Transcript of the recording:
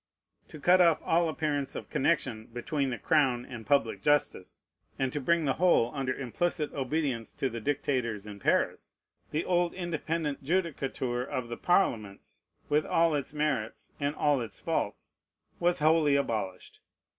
To cut off all appearance of connection between the crown and public justice, and to bring the whole under implicit obedience to the dictators in Paris, the old independent judicature of the Parliaments, with all its merits and all its faults, was wholly abolished.